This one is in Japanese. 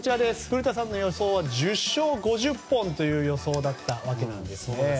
古田さんの予想は１０勝５０本だったわけですね。